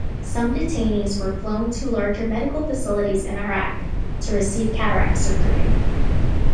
Some detainees were flown to larger medical facilities in Iraq to receive cataract surgery.